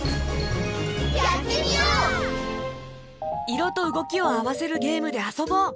いろとうごきをあわせるゲームであそぼう！